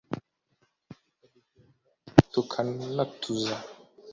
bikadutunga tukanatuza